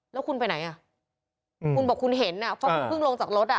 แล้วคุณไปไหนอ่ะคุณบอกคุณเห็นอ่ะเพราะคุณเพิ่งลงจากรถอ่ะ